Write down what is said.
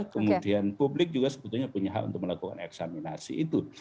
kemudian publik juga sebetulnya punya hak untuk melakukan eksaminasi itu